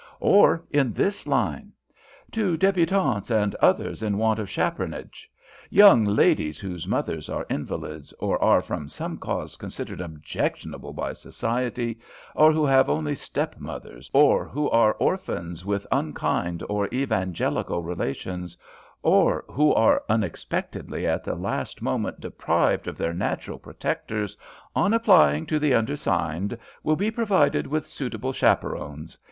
"Or in this line, "'To Debutantes and Others in want of Chaperonage. Young ladies whose mothers are invalids, or are from some cause considered objectionable by society, or who have only step mothers, or who are orphans with unkind or Evangelical relations, or who are unexpectedly at the last moment deprived of their natural protectors, on applying to the undersigned will be provided with suitable chaperons.